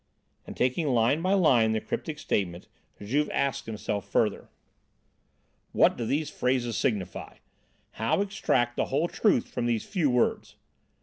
And taking line by line the cryptic statement, Juve asked himself further: "What do these phrases signify? How extract the whole truth from these few words?